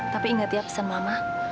tapi ingat ya pesan mama